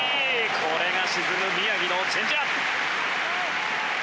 これが沈む宮城のチェンジアップ。